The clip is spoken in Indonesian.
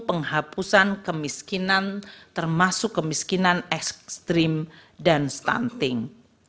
penghapusan kemiskinan termasuk kemiskinan ekstrim dan stunting